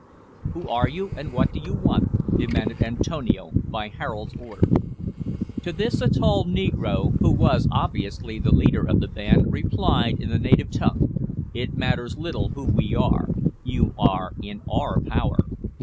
"Who are you, and what do you want?" demanded Antonio, by Harold's order. To this a tall negro, who was obviously the leader of the band, replied in the native tongue, "It matters little who we are; you are in our power."